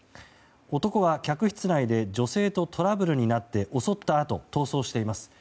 男は客室内で女性とトラブルになって襲ったあと逃走しています。